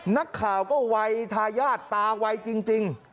นักข่าวก็วัยทายาทตาไวจริง